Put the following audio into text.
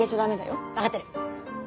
分かってる。